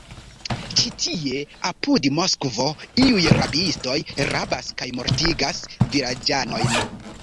Ĉi tie, apud Moskvo, iuj rabistoj rabas kaj mortigas vilaĝanojn!